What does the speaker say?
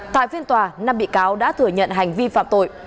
tại phiên tòa năm bị cáo đã thừa nhận hành vi phạm tội